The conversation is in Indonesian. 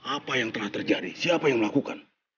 apa yang telah terjadi siapa yang melakukan